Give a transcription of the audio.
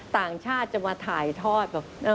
ต่างชาติจะมาถ่ายทอดแบบ